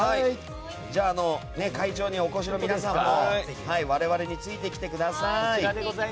会場にお越しの皆さんも我々についてきてください。